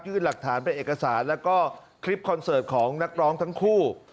หลักฐานเป็นเอกสารแล้วก็คลิปคอนเสิร์ตของนักร้องทั้งคู่